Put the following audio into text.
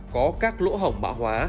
có các lỗ hỏng mã hóa